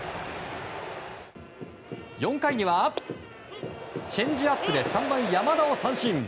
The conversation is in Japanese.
４回にはチェンジアップで３番、山田を三振。